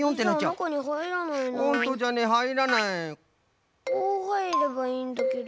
こうはいればいいんだけど。